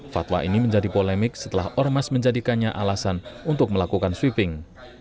fatwa ini menjadi polemik setelah ormas menjadikannya alasan untuk melakukan sweeping